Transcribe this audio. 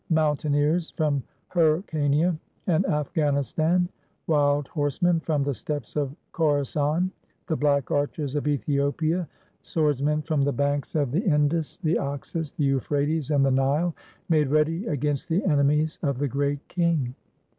Mountaineers from Hyrcania and Afghanistan, wild horsemen from the steppes of Khorassan, the black archers of Ethiopia, swordsmen from the banks of 84 THE BATTLE OF MARATHON the Indus, the Oxus, the Euphrates, and the Nile, made ready against the enemies of the Great King.